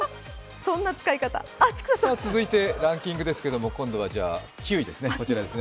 続いてランキングですけれども、今度は９位ですね。